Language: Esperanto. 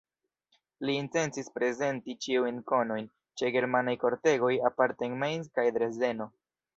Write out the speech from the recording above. Li intencis prezenti ĉiujn konojn ĉe germanaj kortegoj, aparte en Mainz kaj Dresdeno.